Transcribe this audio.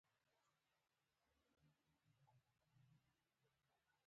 یو سړی په دې یخنۍ کي مسافر سو